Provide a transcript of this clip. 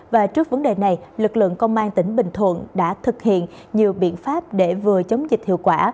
và trước vấn đề này lực lượng công an tỉnh bình thuận đã thực hiện nhiều biện pháp để vừa chống dịch hiệu quả